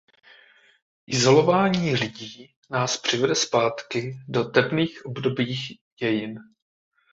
Izolování lidí nás přivede zpátky do temných období dějin.